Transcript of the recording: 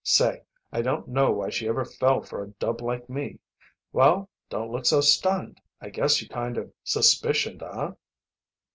Say, I don't know why she ever fell for a dub like me. Well, don't look so stunned. I guess you kind of suspicioned, huh?"